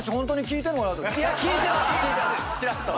ちらっと。